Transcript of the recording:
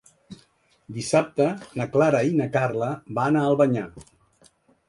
Dissabte na Clara i na Carla van a Albanyà.